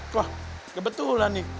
wah kebetulan nih